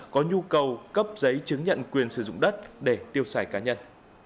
có nhu cầu cấp giấy chứng nhận quyền sử dụng đất để tiêu xài cá nhân